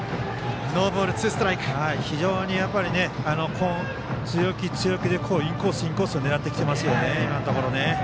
非常に強気、強気でインコース、インコースを狙ってきていますよね。